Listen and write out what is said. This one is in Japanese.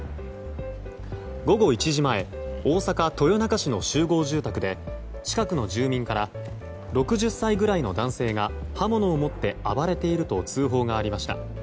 午後１時前大阪・豊中市の集合住宅で近くの住民から６０歳ぐらいの男性が刃物を持って暴れていると通報がありました。